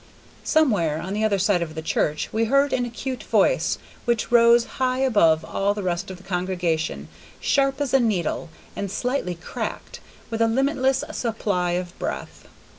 Somewhere on the other side of the church we heard an acute voice which rose high above all the rest of the congregation, sharp as a needle, and slightly cracked, with a limitless supply of breath.